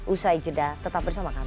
usai jeda tetap bersama kami